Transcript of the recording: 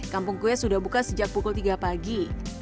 kampung kue sudah buka sejak pukul tiga pagi